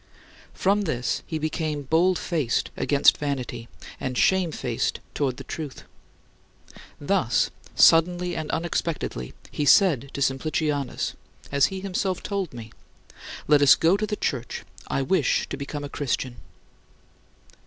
From this he became bold faced against vanity and shamefaced toward the truth. Thus, suddenly and unexpectedly, he said to Simplicianus as he himself told me "Let us go to the church; I wish to become a Christian."